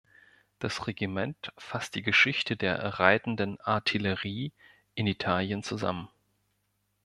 Das Regiment fasst die Geschichte der "reitenden Artillerie" in Italien zusammen.